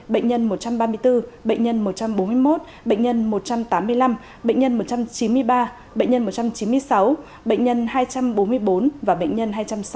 bệnh nhân một trăm ba mươi bốn bệnh nhân một trăm bốn mươi một bệnh nhân một trăm tám mươi năm bệnh nhân một trăm chín mươi ba bệnh nhân một trăm chín mươi sáu bệnh nhân hai trăm bốn mươi bốn và bệnh nhân